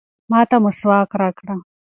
ما ته مسواک راکړه.